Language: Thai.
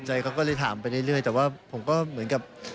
ใจเขาก็เลยถามไปเรื่อยแต่ว่าผมก็เหมือนกับ